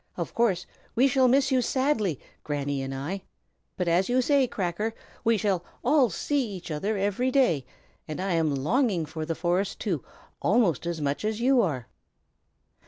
Of course we shall miss you sadly, Granny and I; but as you say, Cracker, we shall all see each other every day; and I am longing for the forest, too, almost as much as you are."